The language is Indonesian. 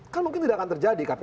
kan mungkin tidak akan terjadi kpk